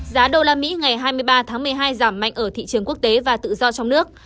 giá đô la mỹ ngày hai mươi ba tháng một mươi hai giảm mạnh ở thị trường quốc tế và tự do trong nước